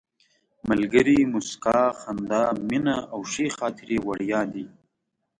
ملګري، موسکا، خندا، مینه او ښې خاطرې وړیا دي.